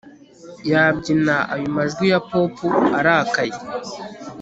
yabyina ayo majwi ya pop arakaye